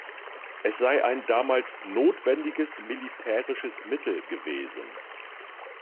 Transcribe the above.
Es sei ein damals „notwendiges militärisches Mittel“ gewesen.